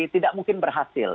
tidak mungkin berhasil